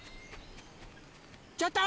ちょっと！